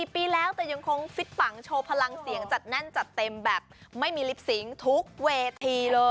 ปีแล้วแต่ยังคงฟิตปังโชว์พลังเสียงจัดแน่นจัดเต็มแบบไม่มีลิปสิงค์ทุกเวทีเลย